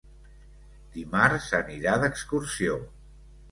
Dimarts anirà d'excursió.